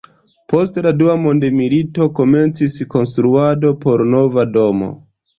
Post la Dua Mondmilito komencis konstruado por nova domo.